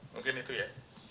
mungkin itu ya